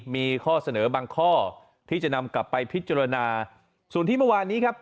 มีข้อเสนอบางข้อที่จะนำกลับไปพิจารณาส่วนที่เมื่อวานนี้ครับ